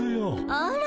あら。